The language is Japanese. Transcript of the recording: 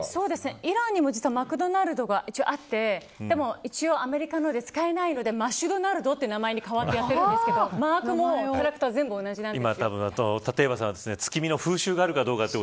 イランにも、実はマクドナルドが一応あってでもアメリカなので使えないのでマシュドナルドという名前に変わってやっているんですけどマークもキャラクターも全部同じなんです。